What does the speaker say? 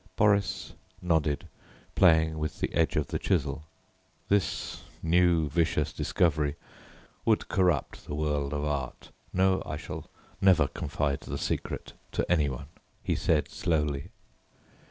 Boris nodded, playing with the edge of the chisel. "This new vicious discovery would corrupt the world of art. No, I shall never confide the secret to any one," he said slowly.